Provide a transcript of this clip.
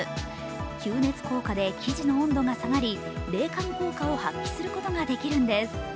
吸熱効果で生地の温度が下がり冷感効果を発揮することができるんです。